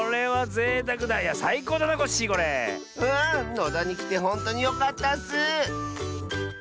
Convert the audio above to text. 野田にきてほんとによかったッス！